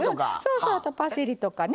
あとパセリとかね